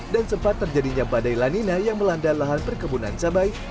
dan sempat terjadinya badai lanina yang melanda lahan perkebunan cabai